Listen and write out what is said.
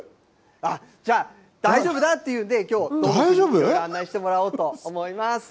あっ、じゃあ、大丈夫だっていうんで、きょう、案内してもらおうと思います。